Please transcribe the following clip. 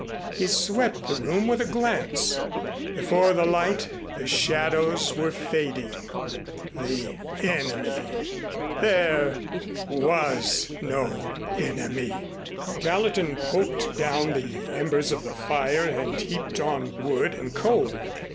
He swept the room with a glance. Before the light the shadows were fading. The Enemy There was no Enemy! Gallatin poked down the embers of the fire and heaped on wood and coal.